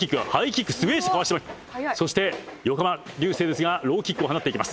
「そして横浜流星ですがローキックを放っていきます」